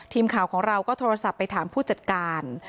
ทีมข่าวของเราก็โทรศัพท์ไปถามผู้จัดการ